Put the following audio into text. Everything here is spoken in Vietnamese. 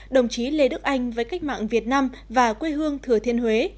đồng chí lê đức anh với cách mạng việt nam và quê hương thừa thiên huế